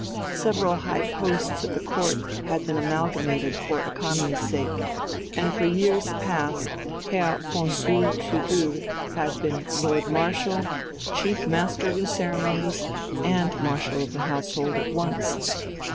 Several high posts at the Court had been amalgamated for economy's sake, and for years past Herr von Bühl zu Bühl had been Lord Marshal, Chief Master of the Ceremonies, and Marshal of the Household at once.